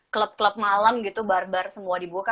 klub klub malam gitu bar bar semua dibuka